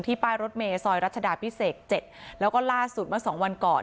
ที่ป้ายรถเมซอยรัชดาพิเศษเจ็ดแล้วก็ล่าสุดมาสองวันก่อน